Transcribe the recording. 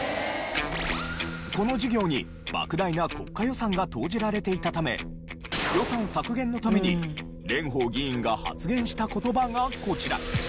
この事業に莫大な国家予算が投じられていたため予算削減のために蓮舫議員が発言した言葉がこちら。